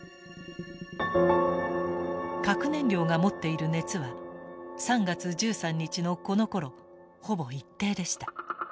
核燃料が持っている熱は３月１３日のこのころほぼ一定でした。